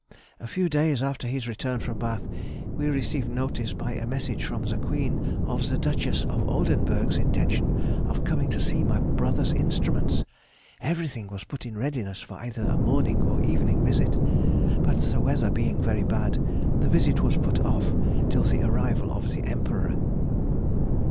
A few days after his return from Bath, we received notice by a message from the Queen of the Duchess of Oldenburg's intention of coming to see my brother's instruments. Everything was put in readiness for either a morning or evening visit, but the weather being very bad, the visit was put off till the arrival of the Emperor.